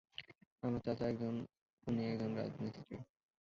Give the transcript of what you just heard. আমার চাচা একজন, উনি একজন রাজমিস্ত্রী।